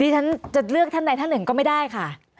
ฉันจะเลือกท่านใดท่านหนึ่งก็ไม่ได้ค่ะ